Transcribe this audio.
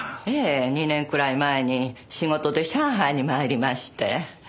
ええ２年くらい前に仕事で上海に参りまして。